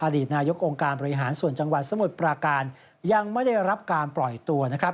อดีตนายกองค์การบริหารส่วนจังหวัดสมุทรปราการยังไม่ได้รับการปล่อยตัวนะครับ